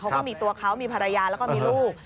เขาก็มีตัวเขามีภรรยาแล้วก็มีลูก